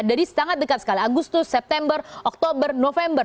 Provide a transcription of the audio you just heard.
jadi sangat dekat sekali agustus september oktober november